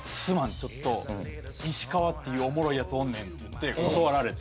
ちょっと石川っていうおもろいヤツおんねん」って言って断られて。